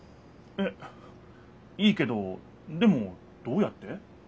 えっいいけどでもどうやって？